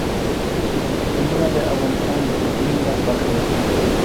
چنګلونه د افغانستان د کلتوري میراث برخه ده.